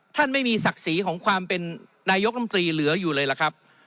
ท่านไม่มีศักดิ์ศรีของความเป็นนายกรรมตรีเหลืออยู่เลยล่ะครับ